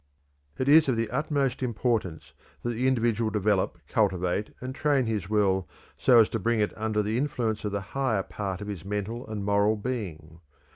It is of the utmost importance that the individual develop, cultivate, and train his will so as to bring it under the influence of the higher part of his mental and moral being.